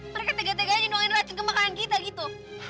mereka tegak tegaknya jenungin racun ke makanan kita gitu